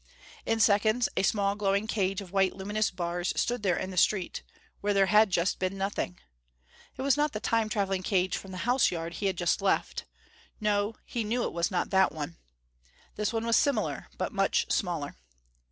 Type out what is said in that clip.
In seconds a small, glowing cage of white luminous bars stood there in the street, where there had just been nothing! It was not the Time traveling cage from the house yard he had just left. No he knew it was not that one. This one was similar, but much smaller.